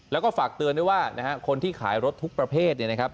แล้วก็ฝากเตือนด้วยว่านะฮะคนที่ขายรถทุกประเภทเนี่ยนะครับ